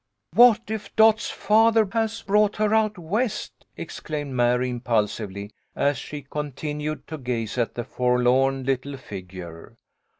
" What if Dot's father has brought her out West !" exclaimed Mary, impulsively, as she continued to gaze at the forlorn little figure.